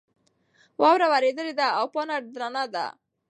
واوره ورېدلې ده او پاڼه درنه ده.